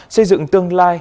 xây dựng tương lai